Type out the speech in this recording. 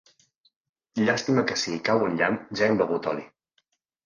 Llàstima que si hi cau un llamp, ja hem begut oli!